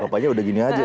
papanya udah gini aja